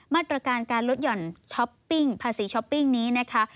มาตรการการลดหย่อนช้อปปิ้งภาษีช้อปปิ้งนี้นะคะ